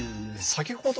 先ほど？